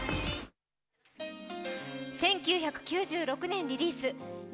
１９９６年リリース。